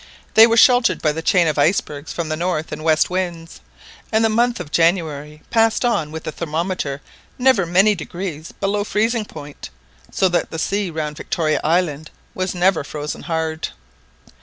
They were sheltered by the chain of icebergs from the north and west winds, and the month of January passed on with the thermometer never many degrees below freezing point, so that the sea round Victoria Island was never frozen hard.